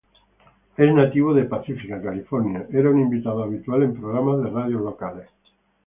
Es nativo de Pacifica, California era un invitado habitual en programas de radio locales.